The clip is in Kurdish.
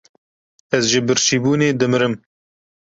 Ez ji birçîbûnê dimirim!